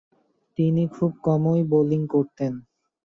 তিনি খুব কমই বোলিং করতেন।